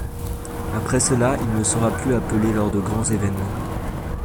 Après cela, il ne sera plus appelé lors de grands événements.